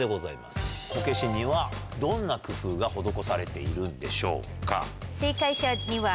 こけしにはどんな工夫が施されているんでしょうか？